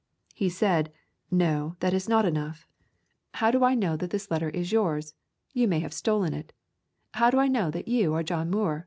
He said, "No, that is not enough. How do I [ 79 ] A Thousand Mile W alk know that this letter is yours? You may have stolen it. How do I know that you are John Muir?"